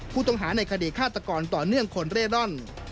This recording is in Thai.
ผู้ต้องหาในคดีฆาตกรต่อเนื่องคนเร่ร่อน